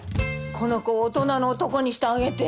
この子を大人の男にしてあげて。